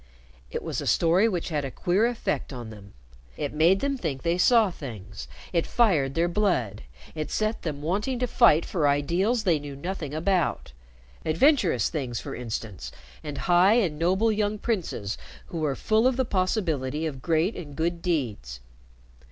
It was a story which had a queer effect on them. It made them think they saw things; it fired their blood; it set them wanting to fight for ideals they knew nothing about adventurous things, for instance, and high and noble young princes who were full of the possibility of great and good deeds.